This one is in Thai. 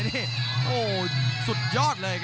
และอัพพิวัตรสอสมนึก